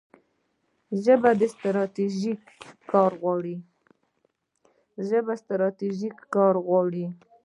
ژبه ستراتیژیک کار غواړي.